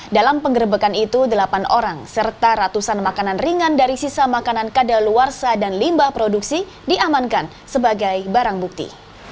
dalam penggerbekan itu delapan orang serta ratusan makanan ringan dari sisa makanan kadaluarsa dan limbah produksi diamankan sebagai barang bukti